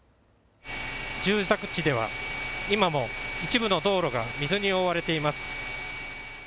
住宅地では今も一部の道路が水に覆われています。